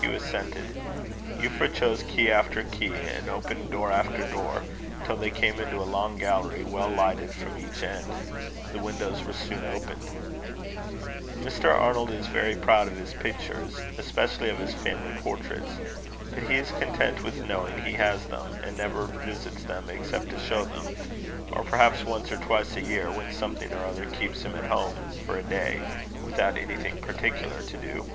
Hugh assented. Euphra chose key after key, and opened door after door, till they came into a long gallery, well lighted from each end. The windows were soon opened. "Mr. Arnold is very proud of his pictures, especially of his family portraits; but he is content with knowing he has them, and never visits them except to show them; or perhaps once or twice a year, when something or other keeps him at home for a day, without anything particular to do."